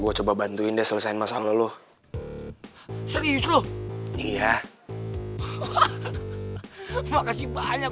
gue coba bantuin deh selesain masalah lu serius lu iya makasih banyak